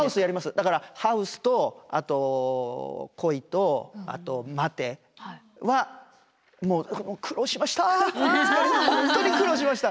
だからハウスとあと「来い」とあと「待て」はお疲れさまでした。